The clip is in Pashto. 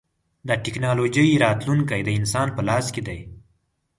د ټکنالوجۍ راتلونکی د انسان په لاس دی.